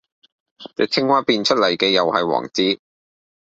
隻青蛙變出嚟嘅又系王子!